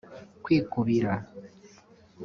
kwikubira